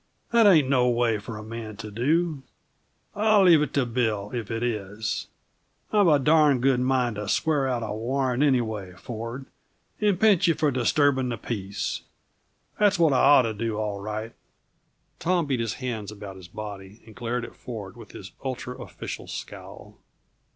That ain't no way for a man to do I'll leave it to Bill if it is! I've a darned good mind to swear out a warrant, anyway, Ford, and pinch you for disturbin' the peace! That's what I ought to do, all right." Tom beat his hands about his body and glared at Ford with his ultra official scowl.